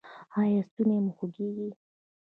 ایا ستونی مو خوږیږي؟